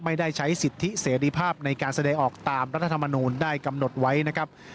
ไม่ได้ใช้สิทธิเสรีภาพในการแสดงออกตามรัฐธรรมนูลได้กำหนดไว้นะครับ